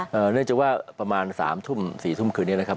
เนื่องจากว่าประมาณ๓ทุ่ม๔ทุ่มคืนนี้นะครับ